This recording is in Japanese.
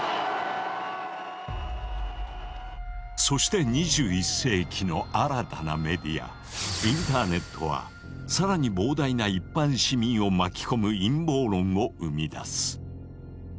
そして２１世紀の新たなメディアインターネットは更に膨大な一般市民を巻き込む陰謀論を生み出す。